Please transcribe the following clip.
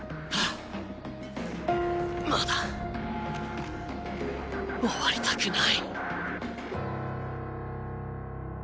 まだ終わりたくない。